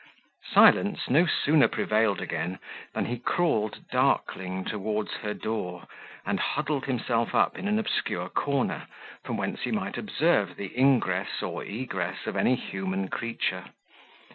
Silence no sooner prevailed again, than he crawled darkling towards her door, and huddled himself up in an obscure corner, from whence he might observe the ingress or egress of any human creature.